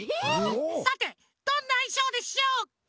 さてどんないしょうでしょうか？